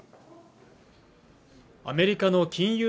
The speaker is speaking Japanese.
アメリカの金融